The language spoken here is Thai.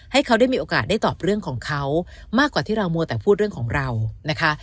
ให้เขาได้มีโอกาสได้ตอบเรื่องของเขามากกว่าที่เรามัวแต่พูดเรื่องของเรานะคะ